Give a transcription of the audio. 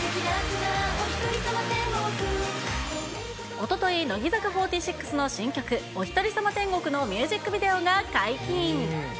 おととい、乃木坂４６の新曲、おひとりさま天国のミュージックビデオが解禁。